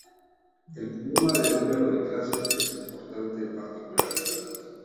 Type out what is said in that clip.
El problema del número de clases es importante en particular.